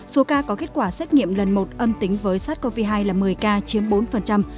số ca có kết quả xét nghiệm lần một âm tính với sars cov hai là một mươi ca chiếm bốn